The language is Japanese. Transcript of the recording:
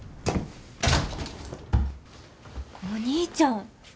お兄ちゃん。